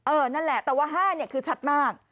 เออนั่นแหละแต่ว่า๕คือชัดมาก